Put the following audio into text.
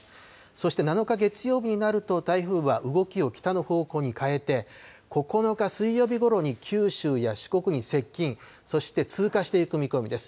そして７日月曜日になると、台風は動きを北の方向に変えて、９日水曜日ごろに九州や四国に接近、そして通過していく見込みです。